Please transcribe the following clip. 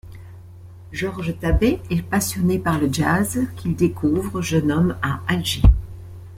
Georges Tabet est passionné par le jazz qu'il découvre, jeune homme, à Alger.